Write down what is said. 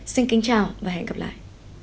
xin kính chào và hẹn gặp lại